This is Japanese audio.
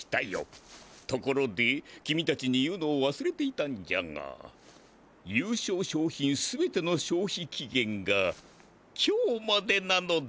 ところで君たちに言うのをわすれていたんじゃが優勝賞品全てのしょうひきげんが今日までなので。